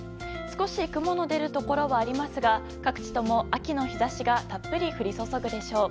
少し雲の出るところはありますが各地とも、秋の日差しがたっぷり降り注ぐでしょう。